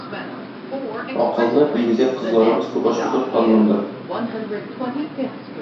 Акылны игезәк кызларыбыз тугач утыртканмындыр.